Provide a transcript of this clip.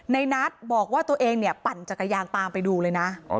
นัทบอกว่าตัวเองเนี่ยปั่นจักรยานตามไปดูเลยนะ